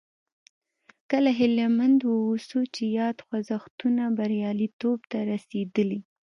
کله هیله مند واوسو چې یاد خوځښتونه بریالیتوب ته رسېدلي.